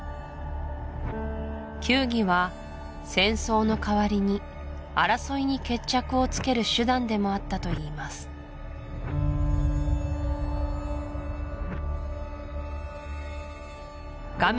球技は戦争の代わりに争いに決着をつける手段でもあったといいます画面